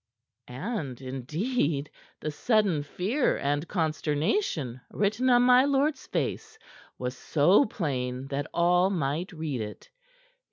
And, indeed, the sudden fear and consternation written on my lord's face was so plain that all might read it.